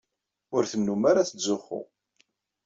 Ur tennumm ara tettzuxxu.